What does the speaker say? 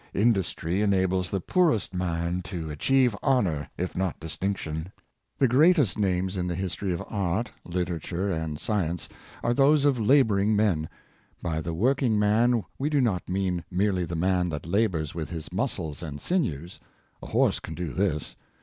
Industry enables the poorest man to achieve honor, if not distinction. The greatest names 400 Thrifl and CivlUzation. in the liistory of art, literature and science, are those o( laboring men. By the working man we do not mean merely the man that labors with his muscles and sinews. A horse can do this.